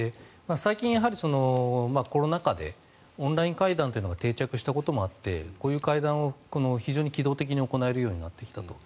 最近、コロナ禍でオンライン会談というのが定着したこともあってこういう会談を非常に機動的に行えるようになってきたと。